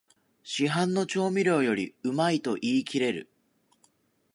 市販の調味料よりうまいと言いきれる